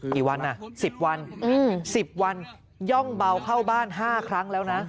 กี่วัน๑๐วัน๑๐วันย่องเบาเข้าบ้าน๕ครั้งแล้วนะ